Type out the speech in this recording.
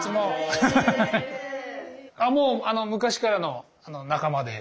もう昔からの仲間で。